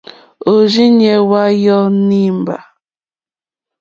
Òrzìɲɛ́ hwá yɔ̀ɔ̀ nìmbâ.